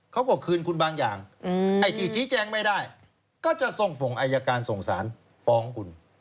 เขาก็คืนคุณบางอย่างไอ้ที่ชี้แจงไม่ได้ก็จะส่งส่งอายการส่งสารฟ้องคุณ